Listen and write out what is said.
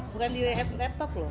bukan di laptop loh